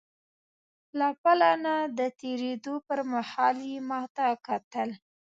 له پله نه د تېرېدو پر مهال یې ما ته کتل.